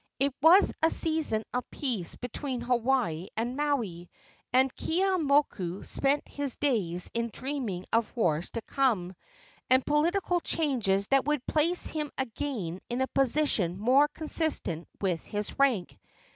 It was a season of peace between Hawaii and Maui, and Keeaumoku spent his days in dreaming of wars to come, and political changes that would place him again in a position more consistent with his rank.